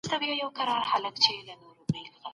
مه پرېږدئ چی طبقاتي توپيرونه په ټولنه کي نور هم زيات سي.